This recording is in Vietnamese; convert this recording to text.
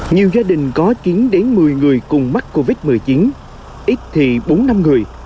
nhiều gia đình có chín đến một mươi người cùng mắc covid một mươi chín ít thì bốn năm người